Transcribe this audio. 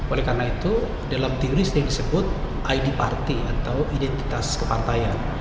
oleh karena itu dalam teori sering disebut id party atau identitas kepantaian